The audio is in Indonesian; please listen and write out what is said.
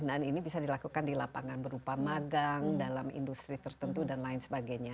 nah ini bisa dilakukan di lapangan berupa magang dalam industri tertentu dan lain sebagainya